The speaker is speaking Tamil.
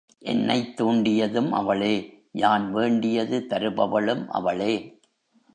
என்னைத் தூண்டியதும் அவளே யான் வேண்டியது தருபவளும் அவளே.